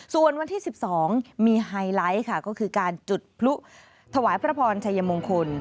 ส่วนวันที่๑๒มีไฮไลท์ค่ะก็คือการจุดพลุถวายพระพรชัยมงคล